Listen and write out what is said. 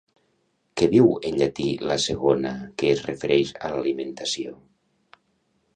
Què diu en llatí la segona que es refereix a l'alimentació?